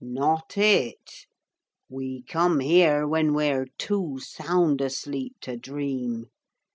'Not it. We come here when we're too sound asleep to dream.